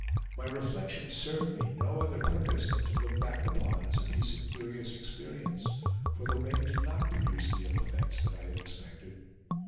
My reflections served me no other purpose than to look back upon as a piece of curious experience; for the rain did not produce the ill effects that I had expected.